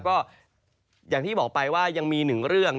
ก็อย่างที่บอกไปว่ายังมีหนึ่งเรื่อง